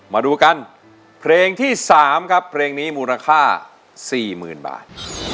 มาดูกันเพลงที่๓ครับเพลงนี้มูลค่า๔๐๐๐บาท